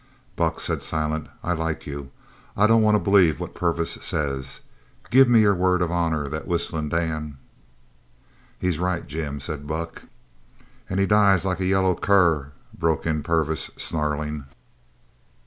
"Buck," said Silent, "I like you. I don't want to believe what Purvis says. Give me your word of honour that Whistlin' Dan " "He's right, Jim," said Buck. "An' he dies like a yaller cur!" broke in Purvis, snarling.